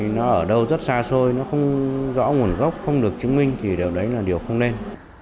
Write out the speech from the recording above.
nó ở đâu rất xa xôi nó không rõ nguồn gốc không được chứng minh thì điều đấy là điều không nên